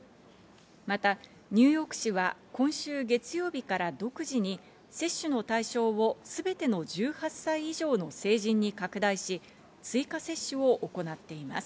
またニューヨーク市は今週月曜日から独自に接種の対象をすべての１８歳以上の成人に拡大し、追加接種を行っています。